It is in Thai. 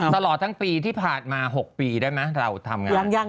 ตลอดทั้งปีที่ผ่านมา๖ปีได้ไหมเราทำงาน